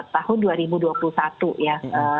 tahun dua ribu dua puluh satu ya